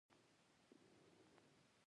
• شتمن سړی که نیک وي، د خلکو دعاوې ترلاسه کوي.